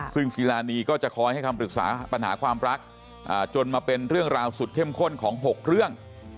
ซึ่งศิลานีก็จะคอยให้คำปรึกษาปัญหาความรักจนมาเป็นเรื่องราวสุดเข้มข้นของ๖เรื่อง